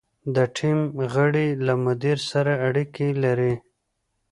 د ټیم غړي له مدیر سره اړیکې لري.